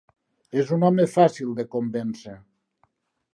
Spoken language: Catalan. És un home fàcil de convèncer.